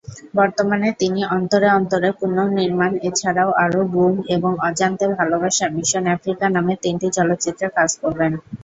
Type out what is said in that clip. বর্তমানে তিনি "অন্তরে অন্তরে" পুনঃনির্মাণ-এ ছাড়াও আরো "গুম", এবং "অজান্তে ভালবাসা" "মিশন আফ্রিকা" নামের তিনটি চলচ্চিত্রে কাজ করবেন।